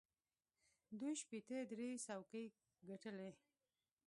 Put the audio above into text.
دوی شپېته درې څوکۍ ګټلې.